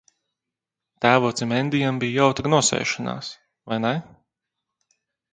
Tēvocim Endijam bija jautra nosēšanās, vai ne?